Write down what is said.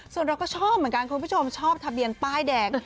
ส่วนเราก็ชอบเหมือนกันคุณผู้ชมชอบทะเบียนป้ายแดง